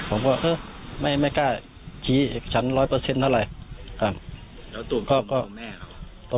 ผมก็เอ้อไม่ไม่กล้าชี้ฉันร้อยเปอร์เซ็นต์เท่าไรครับแล้วตัวตัวแม่เขา